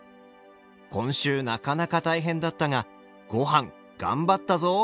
今週なかなか大変だったがご飯頑張ったぞー！